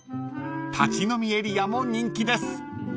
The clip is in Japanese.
［立ち飲みエリアも人気です］